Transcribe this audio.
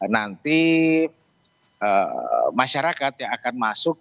nanti masyarakat yang akan masuk